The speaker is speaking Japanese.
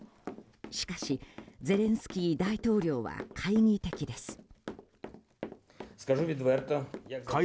しかし、ゼレンスキー大統領は懐疑的です。